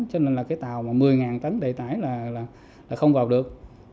cho nên là cái tàu một mươi tấn đầy tải là không vào được